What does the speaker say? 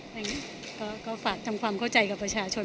อย่างนี้ก็ฝากทำความเข้าใจกับประชาชน